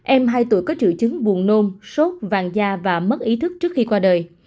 em hai tuổi có triệu chứng buồn nôn sốt vàng da và mất ý thức trước khi qua đời